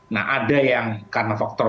nah ada yang karena faktor